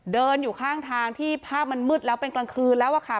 เดินอยู่ข้างทางที่ภาพมันมืดแล้วเป็นกลางคืนแล้วอะค่ะ